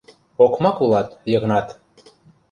— Окмак улат, Йыгнат!